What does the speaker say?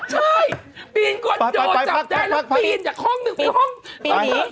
ใช่ปีนคอนโดจับได้แล้วปีนถ้าห้องหนึ่งเป็นห้องพี่พักพัก